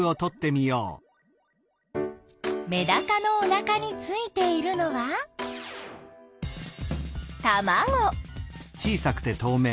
メダカのおなかについているのはたまご！